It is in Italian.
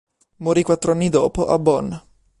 Morì quattro anni dopo a Bonn.